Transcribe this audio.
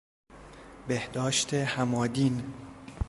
بهداشت همادین